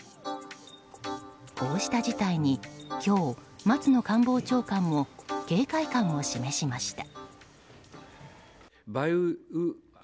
こうした事態に今日、松野官房長官も警戒感を示しました。